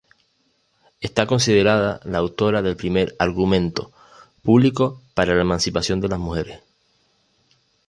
Está considerada la autora del primer argumento público para la emancipación de las mujeres.